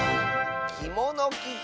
「きものきて」。